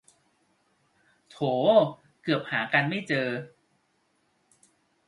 โถ เกือบหากันไม่เจอ